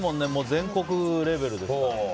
全国レベルですからね。